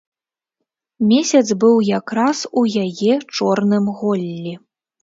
Месяц быў якраз у яе чорным голлі.